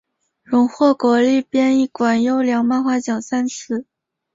荣获国立编译馆优良漫画奖三次。